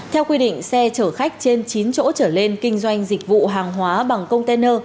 theo quy định xe chở khách trên chín chỗ trở lên kinh doanh dịch vụ hàng hóa bằng container